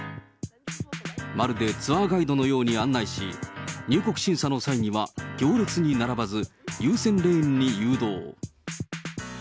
まるでツアーガイドのように案内し、入国審査の際には、行列に並ばず、優先レーンに誘導。